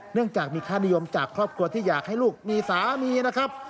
เนื่องจากมีค่านิยมจากครอบครัวที่อยากให้ลูกมีสามีนะครับ